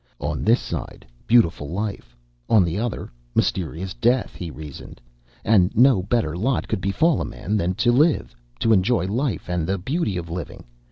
On this side, beautiful life; on the other, mysterious death, he reasoned, and no better lot could befall a man than to live to enjoy life and the beauty of living.